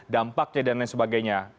dampaknya dan lain sebagainya